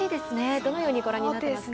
どのようにご覧になっていますか。